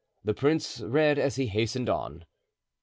The prince read as he hastened on.